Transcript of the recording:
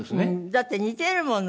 だって似てるもの